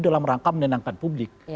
dalam rangka menenangkan publik